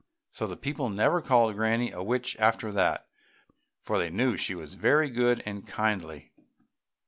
So the people never called Granny a witch after that, for they knew she was very good and kindly.